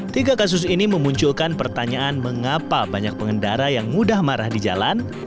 tiga kasus ini memunculkan pertanyaan mengapa banyak pengendara yang mudah marah di jalan